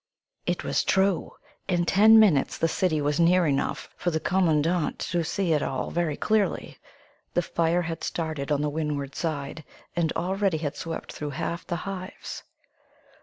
It was true! In ten minutes the city was near enough for the commandant to see it all very clearly. The fire had started on the windward side, and already had swept through half the hives!